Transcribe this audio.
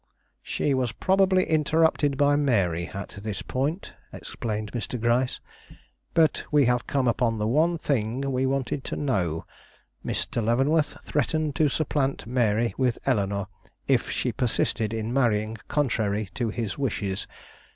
"She was probably interrupted by Mary at this point," explained Mr. Gryce. "But we have come upon the one thing we wanted to know. Mr. Leavenworth threatened to supplant Mary with Eleanore if she persisted in marrying contrary to his wishes.